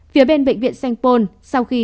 phía bên bệnh viện sanh phôn sau khi